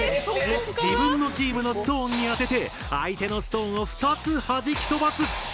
自分のチームのストーンに当てて相手のストーンを２つはじき飛ばす！